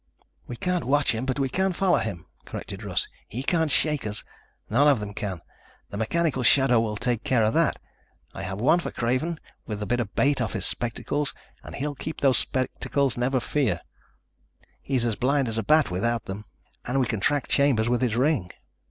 "We can't watch him, but we can follow him," corrected Russ. "He can't shake us. None of them can. The mechanical shadow will take care of that. I have one for Craven with a bit of 'bait' off his spectacles and he'll keep those spectacles, never fear. He's blind as a bat without them. And we can track Chambers with his ring."